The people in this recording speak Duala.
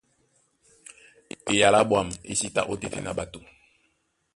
Eyala á ɓwâm é sí ta ótétena ɓato.